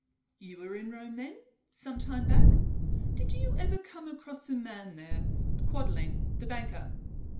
"You were in Rome, then, some time back? Did you ever come across a man there, Quadling, the banker?"